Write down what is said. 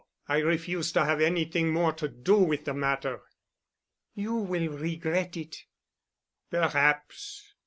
I refuse to have anything more to do with the matter." "You will regret it." "Perhaps.